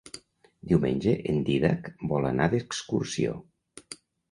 Diumenge en Dídac vol anar d'excursió.